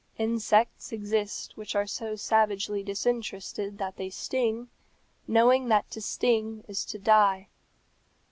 Insects exist which are so savagely disinterested that they sting, knowing that to sting is to die.